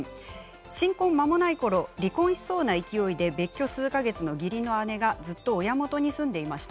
新婚まもないころ、離婚しそうな勢いで別居数か月の義理の姉はずっと親元で住んでいました。